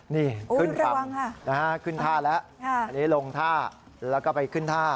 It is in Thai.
นี่ขึ้นฝั่งขึ้นท่าแล้วอันนี้ลงท่าแล้วก็ไปขึ้นท่า